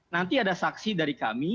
nanti ada saksi dari kami